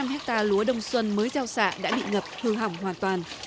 một mươi ba sáu trăm linh hectare lúa đông xuân mới giao xạ đã bị ngập hư hỏng hoàn toàn